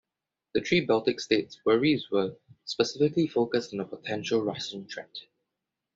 The three Baltic states' worries were specifically focused on a potential Russian threat.